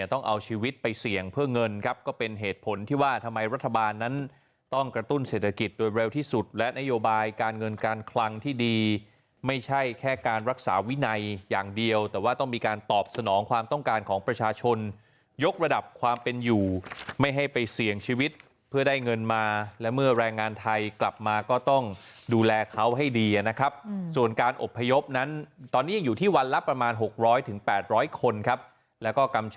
ต้องเอาชีวิตไปเสี่ยงเพื่อเงินครับก็เป็นเหตุผลที่ว่าทำไมรัฐบาลนั้นต้องกระตุ้นเศรษฐกิจโดยเร็วที่สุดและนโยบายการเงินการคลังที่ดีไม่ใช่แค่การรักษาวินัยอย่างเดียวแต่ว่าต้องมีการตอบสนองความต้องการของประชาชนยกระดับความเป็นอยู่ไม่ให้ไปเสี่ยงชีวิตเพื่อได้เงินมาและเมื่อแรงงานไทยกลั